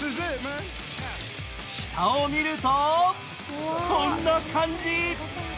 下を見るとこんな感じ。